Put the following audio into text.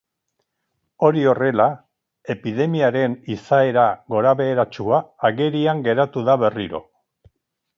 Hori horrela, epidemiaren izaera gorabeheratsua agerian geratu da berriro.